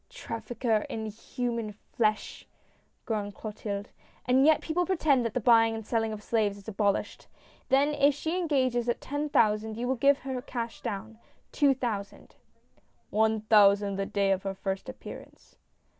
" Trafficker in human flesh !" groaned Clotilde ;" and yet people pretend that the buying and selling of slaves is abolished 1 Then if she engages at ten thou sand, you will give her cash down, two thousand." " One thousand the day of her first appearance